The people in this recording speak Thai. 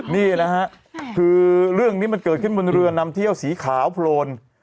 นี่นะฮะคือเรื่องนี้มันเกิดขึ้นบนเรือนำเที่ยวสีขาวโพลน